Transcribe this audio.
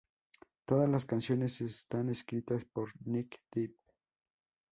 Todas las canciones están escritas por Neck Deep.